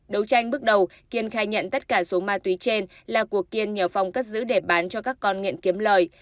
đấu tranh bước đầu kiên khai nhận tất cả số ma túy trên là của kiên nhờ phong cất giữ để bán cho các con nghiện kiếm lời